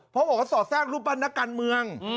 เพราะผมสอดแสกรูปปั้นนักการเมือง